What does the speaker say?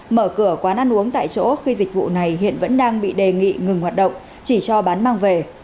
mở cửa quán ăn uống tại chỗ khi dịch vụ này hiện vẫn đang bị đề nghị ngừng hoạt động chỉ cho bán mang về